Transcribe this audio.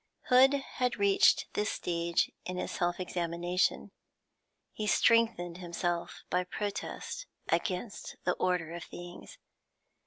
Hood had reached this stage in his self examination; he strengthened himself by protest against the order of things.